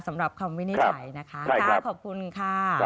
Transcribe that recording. สำหรับคำวินิจฉัยนะคะขอบคุณค่ะ